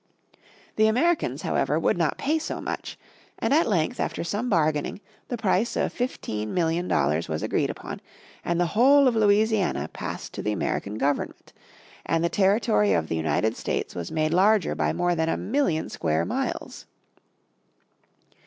The Americans, however, would not pay so much, and at length after some bargaining the price of fifteen million dollars was agreed upon, and the whole of Louisiana passed to the American Government, and the territory of the United States was made larger by more than a million square miles.